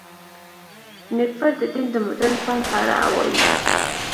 نېکفر د دین د مډرن فهم په اړه وايي.